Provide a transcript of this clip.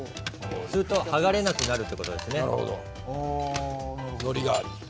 そうすると剥がれなくなるということですね。